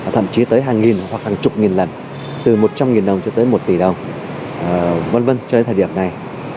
thậm chí tới hàng nghìn hoặc hàng chục nghìn lần từ một trăm linh đồng cho tới một tỷ đồng v v cho đến thời điểm này